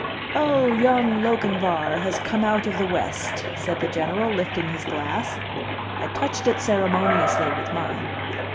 "'Oh, young Lochinvar has come out of the West,'" said the General, lifting his glass. I touched it ceremoniously with mine.